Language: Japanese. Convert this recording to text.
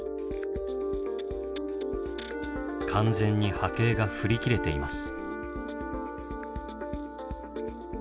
完全に波形が振り切れています。